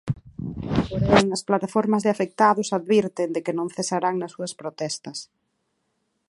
Porén, as plataformas de afectados advirten de que non cesarán nas súas protestas.